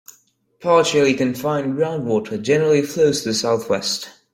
Partially confined groundwater generally flows to the southwest.